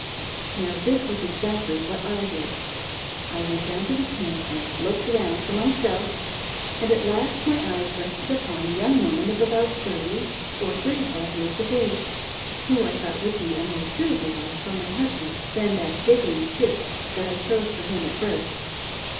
Now this was exactly what I did. I went down to the camp and looked round for myself, and at last my eyes rested upon a young woman of about thirty or thirty five years of age, who I thought would be a more suitable wife for my husband than that giggling chit that I chose for him at first.